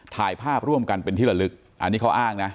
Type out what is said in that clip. ถ่ายภาพร่วมกันเป็นที่ละลึกอันนี้เขาอ้างนะ